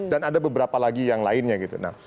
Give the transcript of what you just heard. dan ada beberapa lagi yang lainnya